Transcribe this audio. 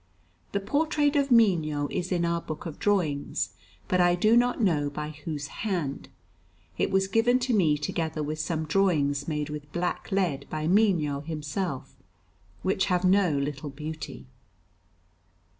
The portrait of Mino is in our book of drawings, but I do not know by whose hand; it was given to me together with some drawings made with blacklead by Mino himself, which have no little beauty.